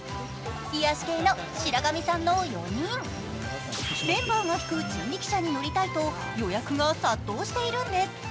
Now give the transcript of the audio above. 癒し系の白上さんの４人、メンバーが引く人力車に乗りたいと予約が殺到しているんです。